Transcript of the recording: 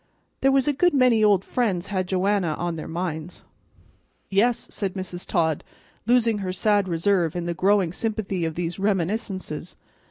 There was a good many old friends had Joanna on their minds." "Yes," said Mrs. Todd, losing her sad reserve in the growing sympathy of these reminiscences.